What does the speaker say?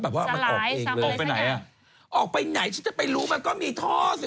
แบบว่ามันออกไปเองเลยออกไปไหนฉันจะไปรู้มันก็มีท่อสิวะ